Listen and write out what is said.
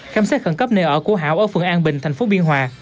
khám xét khẩn cấp nơi ở của hảo ở phường an bình tp biên hòa